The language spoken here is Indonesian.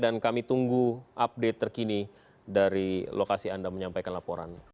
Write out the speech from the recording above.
dan kami tunggu update terkini dari lokasi anda menyampaikan laporannya